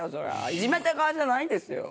いじめた側じゃないんですよ。